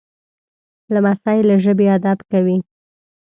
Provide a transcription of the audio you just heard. لمسی له ژبې ادب کوي.